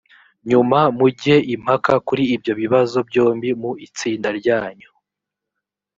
nyuma mujye impaka kuri ibyo bibazo byombi mu itsinda ryanyu